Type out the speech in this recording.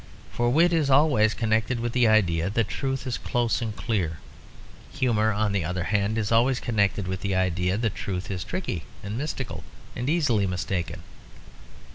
For wit is always connected with the idea that truth is close and clear. Humour, on the other hand, is always connected with the idea that truth is tricky and mystical and easily mistaken.